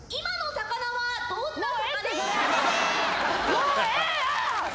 もうええよ！